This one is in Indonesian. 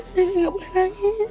debbie gak boleh nangis